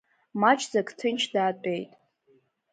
Маҷӡак ҭынч даатәеит.